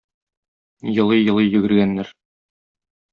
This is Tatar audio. Елый-елый йөгергәннәр.